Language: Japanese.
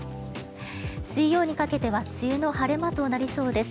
水曜にかけては梅雨の晴れ間となりそうです。